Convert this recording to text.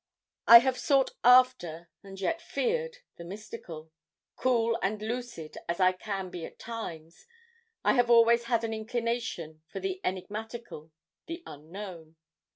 I have sought after, and yet feared the mystical; cool and lucid as I can be at times, I have always had an inclination for the enigmatical, the Unknown.